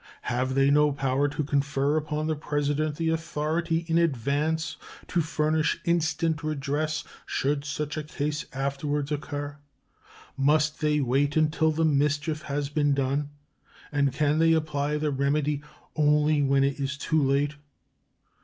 Have they no power to confer upon the President the authority in advance to furnish instant redress should such a case afterwards occur? Must they wait until the mischief has been done, and can they apply the remedy only when it is too late?